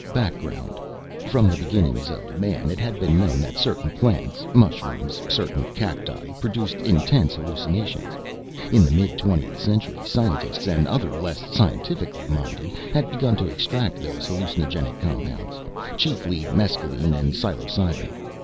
Background: From the beginnings of Man, it had been known that certain plants mushrooms, certain cacti produced intense hallucinations. In the mid twentieth century, scientists and others less scientifically minded had begun to extract those hallucinogenic compounds, chiefly mescaline and psilocybin.